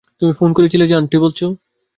তুমি ফোন করেছিলে যে আন্টি বলেছে।